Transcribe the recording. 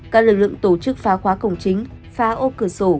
các lực lượng tổ chức phá khóa cổng chính phá ô cửa sổ